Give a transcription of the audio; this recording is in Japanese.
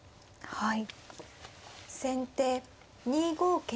はい。